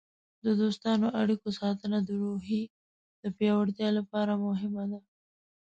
د دوستانه اړیکو ساتنه د روحیې د پیاوړتیا لپاره مهمه ده.